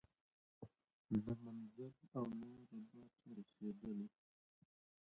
نه منزل او نه رباط ته رسیدلی